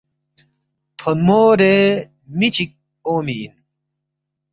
تھونمورے می چِک اونگمی اِن